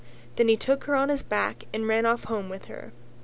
Then he took her on his back and ran off home with her.